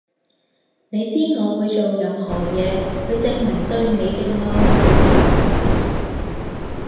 你知我會做任何嘢去證明對你嘅愛